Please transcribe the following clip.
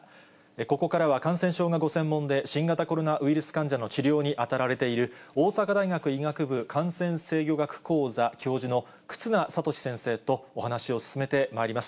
ここからは感染症がご専門で、新型コロナウイルス患者の治療に当たられている、大阪大学医学部感染制御学講座教授の忽那賢志先生とお話を進めてまいります。